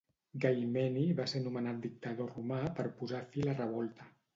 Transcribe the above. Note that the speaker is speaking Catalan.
Gai Meni va ser nomenat dictador romà per posar fi a la revolta.